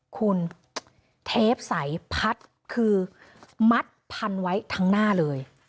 คุณเทปใสพัดคือมัดพันไว้ทั้งหน้าเลย